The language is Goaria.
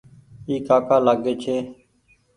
اي ڪآڪآ لآگي ڇي۔